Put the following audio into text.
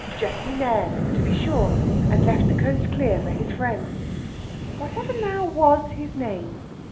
Jessie Nairn, to be sure and left the coast clear for his friend. Whatever now was his name?